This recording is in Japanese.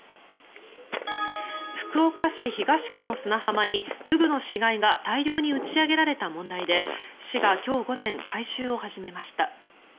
福岡市東区の砂浜にフグの死骸が大量に打ち上げられた問題で市が今日午前回収を始めました。